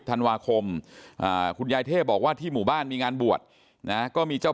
ธันวาคมคุณยายเทพบอกว่าที่หมู่บ้านมีงานบวชนะก็มีเจ้า